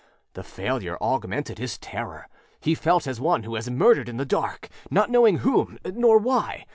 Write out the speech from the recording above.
The failure augmented his terror; he felt as one who has murdered in the dark, not knowing whom nor why.